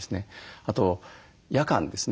あと夜間ですね。